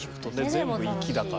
全部「いき」だから。